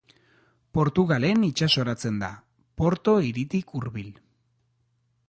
Portugalen itsasoratzen da, Porto hiritik hurbil.